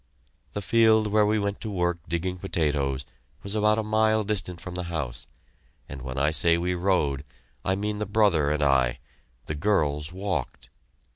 The field where we went to work digging potatoes was about a mile distant from the house, and when I say we rode, I mean the brother and I the girls walked.